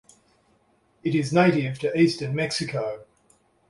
It is native to eastern Mexico.